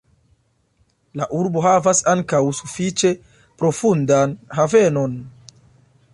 La urbo havas ankaŭ sufiĉe profundan havenon.